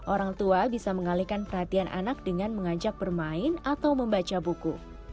orang tua bisa mengalihkan perhatian anak dengan mengajak bermain atau membaca buku